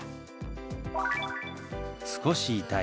「少し痛い」。